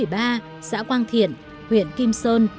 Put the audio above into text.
ban tổ chức lễ quốc tính cho biết